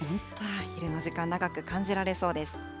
昼の時間、長く感じられそうです。